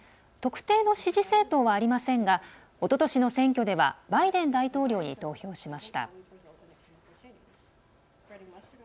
特定の支持政党はありませんがおととしの選挙ではバイデン大統領に投票しました。